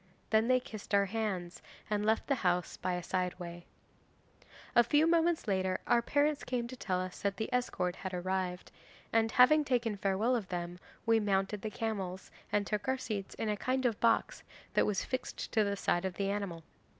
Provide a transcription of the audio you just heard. Then they kissed our hands, and left the house by a side way. 'A few moments later our parents came to tell us that the escort had arrived, and having taken farewell of them we mounted the camels, and took our seats in a kind of box that was fixed to the side of the animal.